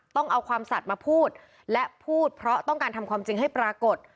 ต้องเอาความสัตว์มาพูดและพูดเพราะต้องการทำความจริงให้ปรากฏ